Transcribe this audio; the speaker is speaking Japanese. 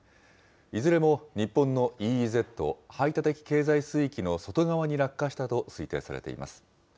いずれも日本のＥＥＺ・排他的経済水域の外側に落下したと推定されています。